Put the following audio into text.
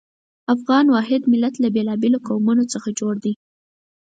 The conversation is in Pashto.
افغان واحد ملت له بېلابېلو قومونو څخه جوړ دی.